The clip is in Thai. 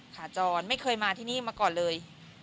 ขาจรไม่เคยมาที่นี่มาก่อนเลย